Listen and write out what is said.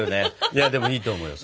いやでもいいと思うよ。